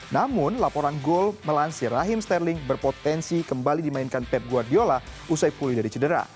namun laporan gol melansir rahim sterling berpotensi kembali dimainkan pep guardiola usai pulih dari cedera